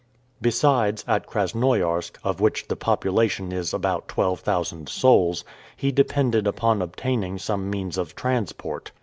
Besides, at Krasnoiarsk, of which the population is about twelve thousand souls, he depended upon obtaining some means of transport.